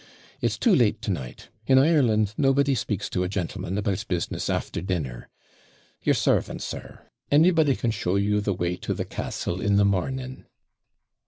It's too late to night. In Ireland, nobody speaks to a gentleman about business after dinner your servant, sir; anybody can show you the way to the castle in the morning.'